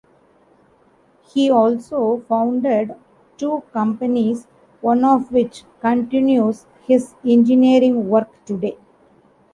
He also founded two companies, one of which continues his engineering work today.